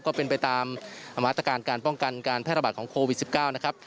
ก็เป็นไปตามมาตรการการป้องกันการแพร่ระบาดของโควิด๑๙นะครับ